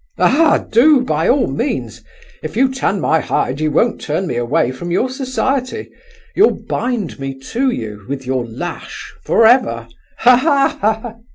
"Aha! do—by all means! if you tan my hide you won't turn me away from your society. You'll bind me to you, with your lash, for ever. Ha, ha!